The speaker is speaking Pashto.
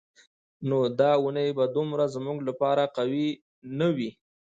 نو دا اونۍ به دومره زموږ لپاره قوي نه وي.